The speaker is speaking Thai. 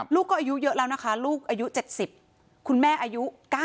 ลูกก็อายุเยอะแล้วนะคะลูกอายุ๗๐คุณแม่อายุ๙๐